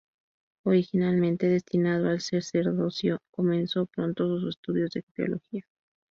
Originalmente destinado al sacerdocio, comenzó pronto sus estudios de teología.